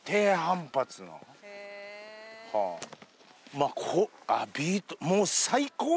まぁあっビート。